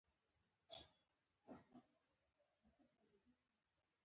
راوړه تا پریشاني د زلفو کور ته.